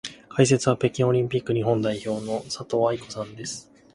解説は北京オリンピック日本代表の佐藤愛子さんです。